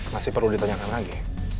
masih perlu ditanyakan lagi